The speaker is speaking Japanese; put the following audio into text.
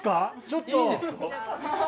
ちょっと。